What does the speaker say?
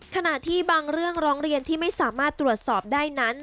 ขณะที่บางเรื่องร้องเรียนที่ไม่สามารถตรวจสอบได้นั้น